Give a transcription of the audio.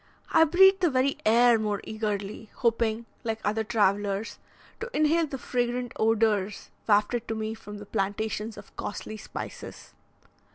I breathed the very air more eagerly, hoping, like other travellers, to inhale the fragrant odours wafted to me from the plantations of costly spices.